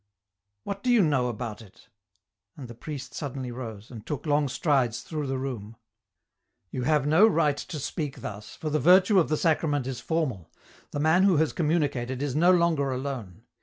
" What do you know about it ?" and the priest suddenly rose, and took long strides through the room. " You have no right to speak thus, for the virtue of the Sacrament is formal, the man who has communicated is no longer alone.